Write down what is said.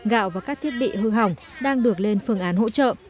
gạo và các thiết bị hư hỏng đang được lên phương án hỗ trợ